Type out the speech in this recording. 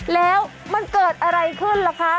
แล้วมันเกิดอะไรขึ้นล่ะคะ